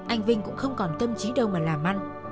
anh vinh cũng không còn tâm trí đâu mà làm ăn